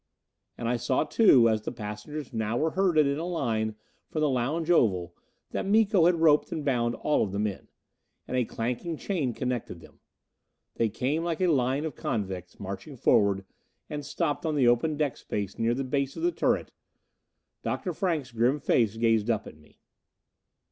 And I saw too, as the passengers now were herded in a line from the lounge oval, that Miko had roped and bound all of the men. And a clanking chain connected them. They came like a line of convicts, marching forward, and stopped on the open deck space near the base of the turret. Dr. Frank's grim face gazed up at me.